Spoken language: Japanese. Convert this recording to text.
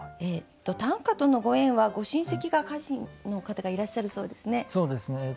短歌とのご縁はご親戚が歌人の方がいらっしゃるそうですね。